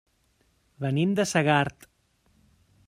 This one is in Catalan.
Venim de Segart.